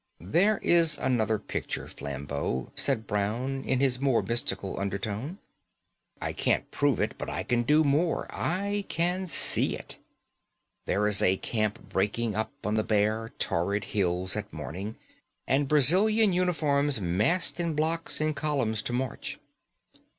"There is another picture, Flambeau," said Brown in his more mystical undertone. "I can't prove it; but I can do more I can see it. There is a camp breaking up on the bare, torrid hills at morning, and Brazilian uniforms massed in blocks and columns to march.